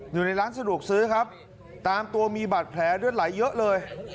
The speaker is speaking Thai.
อยู่ในล้านสะดวกซื้อตามตัวมีบัตรแผลด้วยไหลเยอะเลย